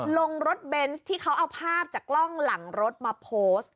ลงรถเบนส์ที่เขาเอาภาพจากกล้องหลังรถมาโพสต์